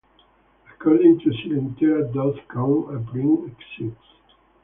According to silentera dot com, a print exists.